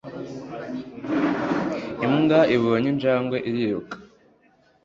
Imbwa ibonye injangwe iriruka